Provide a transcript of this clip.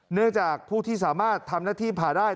เนื่องจากผู้ที่สามารถทำหน้าที่ผ่าได้